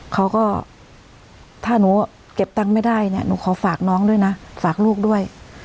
เขาก็ถ้าหนูเก็บตังค์ไม่ได้เนี่ยหนูขอฝากน้องด้วยนะฝากลูกด้วย